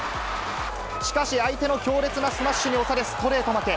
しかし、相手の強烈なスマッシュに押され、ストレート負け。